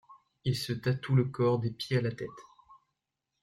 Ils se tatouent le corps des pieds à la tête.